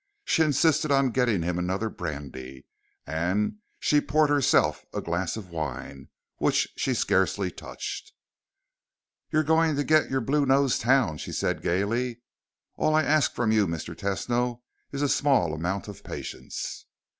She insisted on getting him another brandy, and she poured herself a glass of wine, which she scarcely touched. "You're going to get your blue nosed town," she said gayly. "All I ask from you, Mr. Tesno, is a small amount of patience."